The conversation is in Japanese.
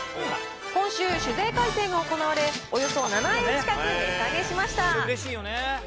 今週、酒税改正が行われ、およそ７円近く値下げしました。